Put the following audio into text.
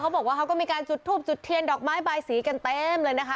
บอกว่าเขาก็มีการจุดทูบจุดเทียนดอกไม้บายสีกันเต็มเลยนะคะ